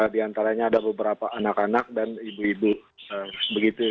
di antaranya ada beberapa anak anak dan ibu ibu